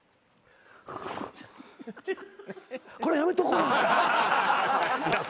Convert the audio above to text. これやめとこうな。